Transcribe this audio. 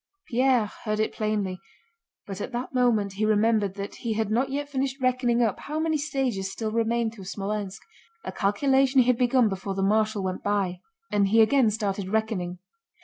Pierre heard it plainly, but at that moment he remembered that he had not yet finished reckoning up how many stages still remained to Smolénsk—a calculation he had begun before the marshal went by. And he again started reckoning.